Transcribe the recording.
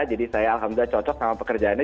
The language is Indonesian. jadi saya alhamdulillah cocok sama pekerjaannya